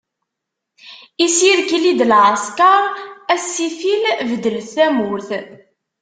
Isirkli-d lɛesker, a ssifil bedlet tamurt.